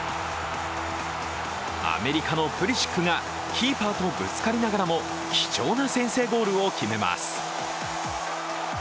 アメリカのプリシックがキーパーとぶつかりながらも、貴重な先制ゴールを決めます。